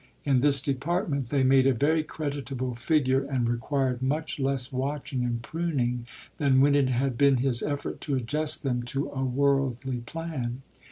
In this department they made a very creditable figure and required much less watching and pruning than when it had been his effort to adjust them to a worldly plan.